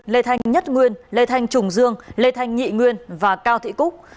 lê thanh nhất nguyên lê thanh trùng dương lê thanh nhị nguyên và cao thị cúc